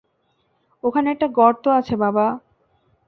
ওখানে একটা গর্ত আছে, বাবা।